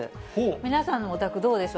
皆さんのお宅、どうでしょう？